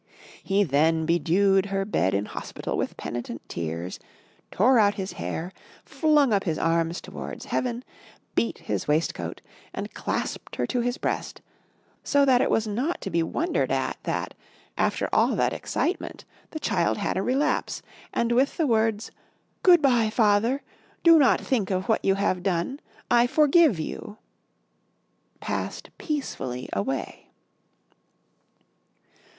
He then bedewed her bed in Hospital with penitent tears, tore out his hair, flung up his arms towards Heaven, beat his waistcoat, and clasped her to his breast, so that it was not to be wondered at that, after all that excitement, the child had a relapse and with the words "Good bye, Father. Do not think of what you have done. I forgive you," passed peacefully away.